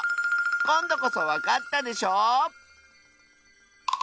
こんどこそわかったでしょ？